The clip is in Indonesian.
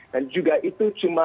dan juga itu cuma